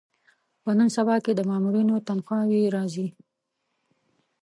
په نن سبا کې د مامورینو تنخوا وې راځي.